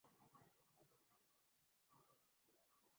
میں اس کے لیے مقامات مخصوص ہیں۔